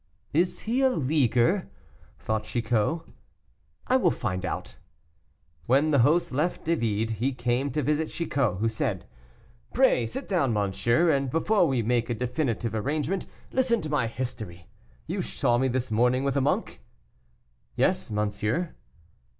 "Is he a leaguer?" thought Chicot; "I will find out." When the host left David he came to visit Chicot, who said, "Pray sit down, monsieur; and before we make a definitive arrangement, listen to my history. You saw me this morning with a monk?" "Yes, monsieur."